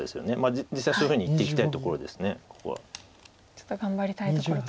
ちょっと頑張りたいところと。